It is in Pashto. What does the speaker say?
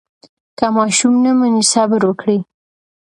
که ماشوم نه مني، صبر وکړئ.